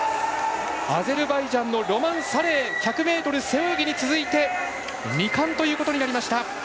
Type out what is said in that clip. アゼルバイジャンのロマン・サレイ１００ｍ背泳ぎに続いて２冠ということになりました。